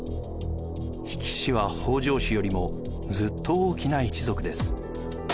比企氏は北条氏よりもずっと大きな一族です。